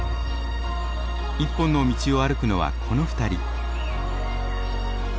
一本の道を歩くのはこの２人。